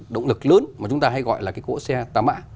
ba động lực lớn mà chúng ta hay gọi là cỗ xe tám ả